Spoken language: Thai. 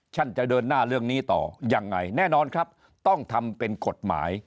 จะเดินหน้าเรื่องนี้ต่อยังไงแน่นอนครับต้องทำเป็นกฎหมาย